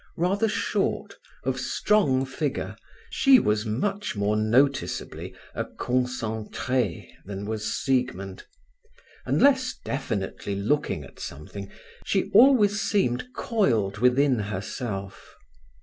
Rather short, of strong figure, she was much more noticeably a concentrée than was Siegmund. Unless definitely looking at something she always seemed coiled within herself.